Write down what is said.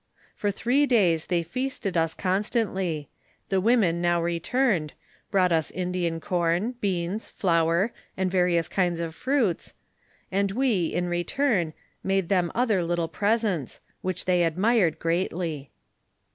For three days they feasted us con stantly; the women now returned, brought u ^ndian corn, beans, flour, and various kinds of fruits ; and we, in return, made them other little presents, which they admired greatly.